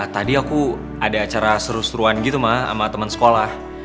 tadi aku ada acara seru seruan gitu mah sama teman sekolah